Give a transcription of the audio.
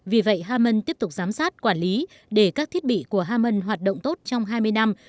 vì vậy haman tiếp tục giám sát quản lý để các thiết bị của hammon hoạt động tốt trong hai mươi năm